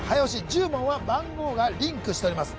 １０問は番号がリンクしております